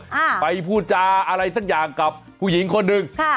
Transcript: อ่าไปพูดจาอะไรสักอย่างกับผู้หญิงคนหนึ่งค่ะ